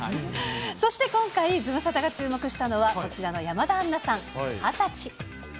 そして今回、ズムサタが注目したのは、こちらの山田杏奈さん２０歳。